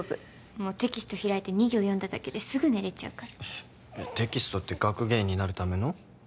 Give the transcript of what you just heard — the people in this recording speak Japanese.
もうテキスト開いて２行読んだだけですぐ寝れちゃうからテキストって学芸員になるための？